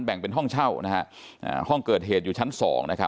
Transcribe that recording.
แบ่งเป็นห้องเช่านะฮะอ่าห้องเกิดเหตุอยู่ชั้นสองนะครับ